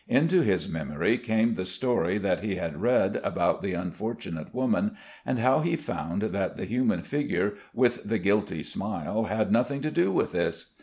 Into his memory came the story that he had read about the unfortunate woman, and now he found that the human figure with the guilty smile had nothing to do with this.